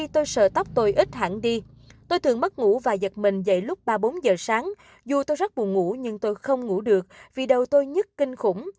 tôi sợ tóc tôi ít hẳn đi tôi thường mất ngủ và giật mình dạy lúc ba bốn giờ sáng dù tôi rất buồn ngủ nhưng tôi không ngủ được vì đầu tôi nhức kinh khủng